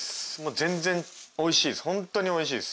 全然おいしいです。